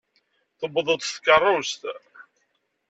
Tewweḍ-d s tkeṛṛust.